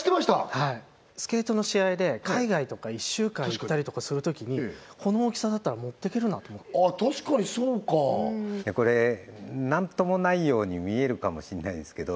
はいスケートの試合で海外とか１週間行ったりとかするときにこの大きさだったら持っていけるなと確かにそうかこれ何ともないように見えるかもしれないですけど